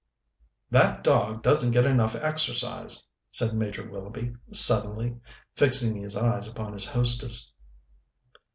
"That dog doesn't get enough exercise," said Major Willoughby suddenly, fixing his eyes upon his hostess.